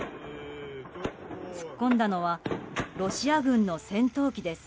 突っ込んだのはロシア軍の戦闘機です。